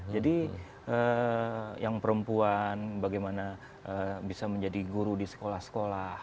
jadi yang perempuan bagaimana bisa menjadi guru di sekolah sekolah